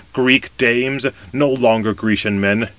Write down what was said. Greek dames! no longer Grecian men!